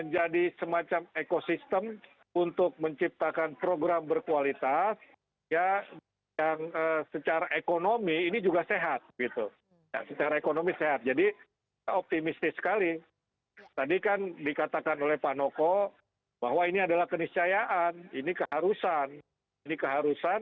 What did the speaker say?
jadi aso berlangsung di sejumlah wilayah